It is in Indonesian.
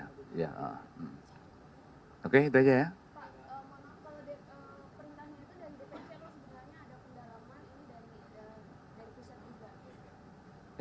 pak mana kalau perintahnya itu dari dpc ada pendalaman ini dari pusat juga